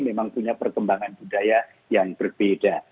memang punya perkembangan budaya yang berbeda